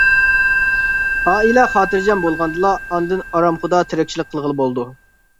ئائىلە خاتىرجەم بولغاندىلا ئاندىن ئارام خۇدا تىرىكچىلىك قىلغىلى بولىدۇ.